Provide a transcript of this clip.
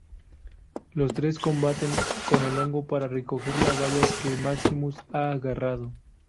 Los tres combaten con el hongo para recoger la baya que Maximus ha agarrado.